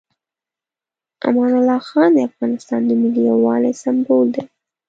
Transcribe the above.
امان الله خان د افغانستان د ملي یووالي سمبول دی.